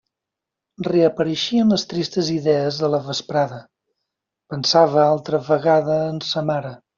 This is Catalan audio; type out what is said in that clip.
Reapareixien les tristes idees de la vesprada; pensava altra vegada en sa mare.